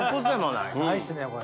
ないっすねこれ。